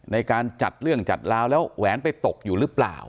ในการจัดเรื่องจัดราวแล้วแหวนไปตกอยู่หรือเปล่า